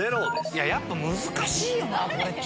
やっぱ難しいよな。